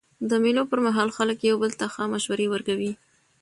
د مېلو پر مهال خلک یو بل ته ښه مشورې ورکوي.